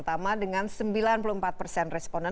pertama dengan sembilan puluh empat persen responan